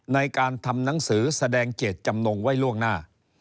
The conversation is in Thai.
ในการทำหนังสือแสดงเจตจำนงไว้ล่วงหน้า